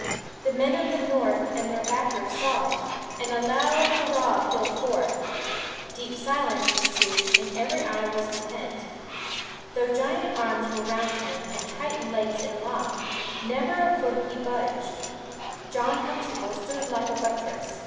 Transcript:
The men of the North and their backers saw it, and a loud hurrah pealed forth; deep silence ensued, and every eye was intent. Though giant arms were round him and Titan legs inlocked, never a foot he budged. John Huxtable stood like a buttress.